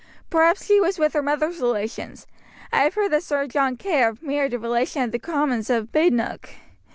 Perhaps she was with her mother's relations. I have heard that Sir John Kerr married a relation of the Comyns of Badenoch.